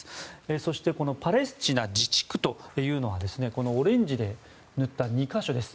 そしてこのパレスチナ自治区というのはこのオレンジで塗った２か所です。